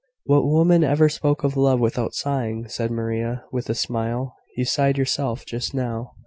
"What woman ever spoke of love without sighing?" said Maria, with a smile. "You sighed yourself, just now."